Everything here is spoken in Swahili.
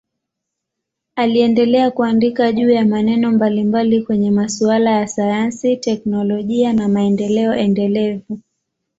Aliendelea kuandika juu ya maeneo mbalimbali kwenye masuala ya sayansi, teknolojia na maendeleo endelevu.